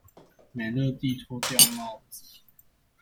美樂蒂脫掉帽子